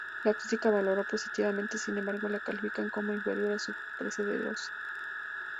La crítica la valoró positivamente, sin embargo la califican como inferior a su predecesora.